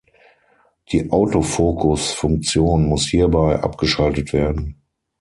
Die Autofokus-Funktion muss hierbei abgeschaltet werden.